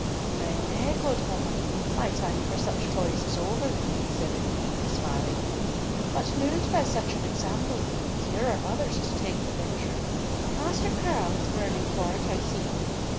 "Nay, nay, good woman, my time for such toys is over!" said the Queen smiling, "but moved by such an example, here are others to make the venture, Master Curll is burning for it, I see."